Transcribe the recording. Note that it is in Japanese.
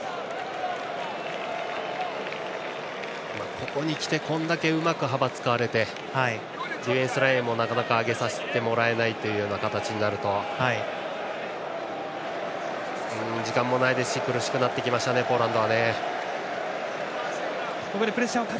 ここに来てこれだけうまく幅を使われてディフェンスラインもなかなか上げさせてもらえない形になると時間もないですし苦しくなってきましたポーランド。